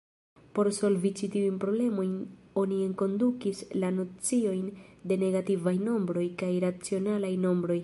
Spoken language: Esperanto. Por solvi ĉi-tiujn problemojn oni enkondukis la nociojn de negativaj nombroj kaj racionalaj nombroj.